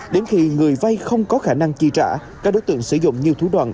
đến khi người vay không có khả năng chi trả các đối tượng sử dụng nhiều thủ đoạn